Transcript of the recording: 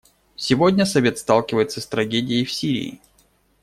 Сегодня Совет сталкивается с трагедией в Сирии.